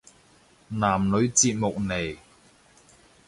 男女節目嚟